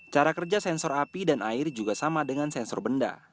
cara kerja sensor api dan air juga sama dengan sensor benda